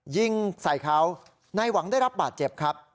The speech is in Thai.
ยิงใส่เขานายหวังได้รับบาดเจ็บครับ